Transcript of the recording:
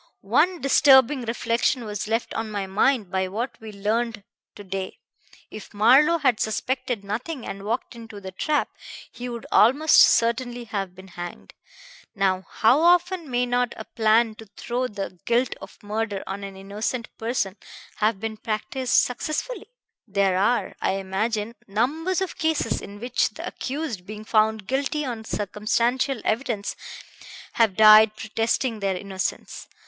One disturbing reflection was left on my mind by what we learned to day. If Marlowe had suspected nothing and walked into the trap, he would almost certainly have been hanged. Now how often may not a plan to throw the guilt of murder on an innocent person have been practised successfully? There are, I imagine, numbers of cases in which the accused, being found guilty on circumstantial evidence, have died protesting their innocence.